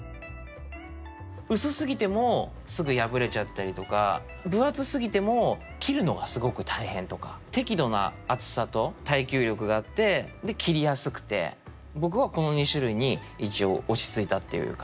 薄すぎてもすぐ破れちゃったりとか分厚すぎても切るのがすごく大変とか適度な厚さと耐久力があってで切りやすくて僕はこの２種類に一応落ち着いたっていう感じですかね。